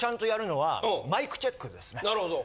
なるほど。